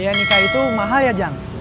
biaya nikah itu mahal ya jang